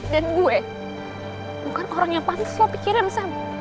dan gue bukan orang yang pantas lo pikirin sam